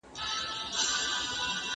زما ورور له ما څخه په کار کې ډېر تکړه دی.